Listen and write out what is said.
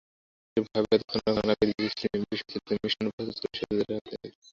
এইরূপ ভাবিয়া তৎক্ষণাৎ নানাবিধ বিষমিশ্রিত মিষ্টান্ন প্রস্তুত করিয়া সখী দ্বারা পাঠাইয়া দিলেন।